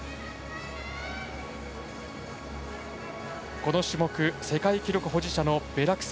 この種目世界記録保持者のベラクサ。